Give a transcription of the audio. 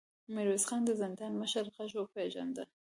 ميرويس خان د زندان د مشر غږ وپېژاند.